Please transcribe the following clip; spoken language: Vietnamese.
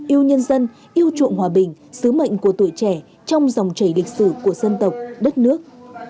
yêu nhân dân yêu chuộng hòa bình sứ mệnh của tuổi trẻ trong dòng chảy lịch sử của dân tộc đất nước